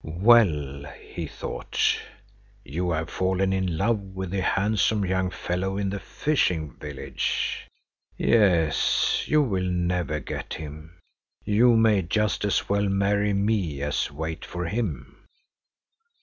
"Well," he thought, "have you fallen in love with the handsomest young fellow in the fishing village? Yes, you will never get him. You may just as well marry me as wait for him."